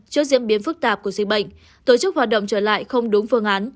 trước diễn biến phức tạp của dịch bệnh tổ chức hoạt động trở lại không đúng phương án